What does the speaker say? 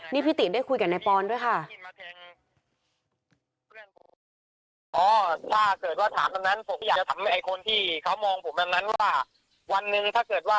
นี่พี่ติได้คุยกับนายปอนด้วยค่ะ